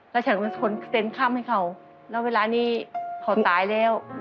แล้วฉันเป็นคนเซ็นค่ำให้เขาแล้วเวลานี้เขาตายแล้ว